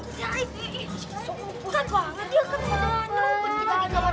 yo yo as salatu jamiah terragemai kubur go to allah berakhir allah allahu akbar